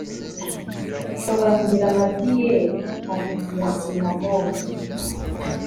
nshobora kugira amadiyeri atatu ya cinnamon